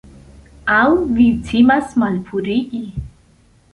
Aŭ vi timas malpurigi?